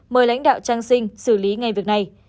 mời lãnh đạo trang sinh xử lý ngay việc này